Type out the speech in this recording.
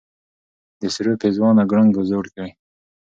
د سرو پېزوانه ګړنګو زوړ کړې